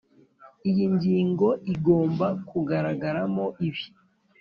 iyi ngingo igomba kugaragaramo ibi